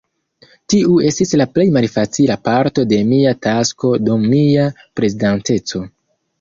Tiu estis la plej malfacila parto de mia tasko dum mia prezidanteco.